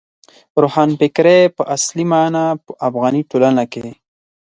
روښانفکرۍ په اصلي مانا په افغاني ټولنه کې.